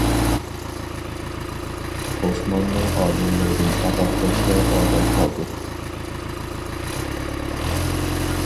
ئوسماننىڭ ئادەملىرىدىن پەقەت بەشلا ئادەم قالدى.